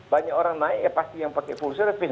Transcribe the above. banyak orang naik ya pasti yang pakai full service